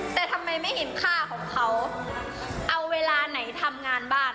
แต่ทำไมไม่เห็นค่าของเขาเอาเวลาไหนทำงานบ้าน